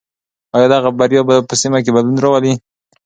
آیا دغه بریا به په سیمه کې بدلون راولي؟